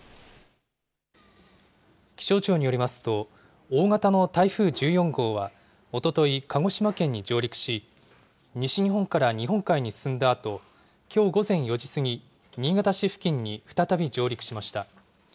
気象庁によりますと、大型の台風１４号はおととい、鹿児島県に上陸し、西日本から日本海に進んだあと、きょう午前４時過ぎ、新潟市付近に再び上陸しました。